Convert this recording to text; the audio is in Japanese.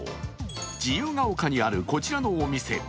自由が丘にあるこちらのお店。